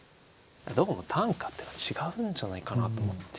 どうも短歌っていうのは違うんじゃないかなと思って。